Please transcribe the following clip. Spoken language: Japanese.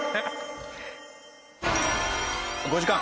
５時間。